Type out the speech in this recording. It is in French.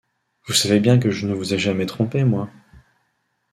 Vous savez bien que je ne vous ai jamais trompés, moi.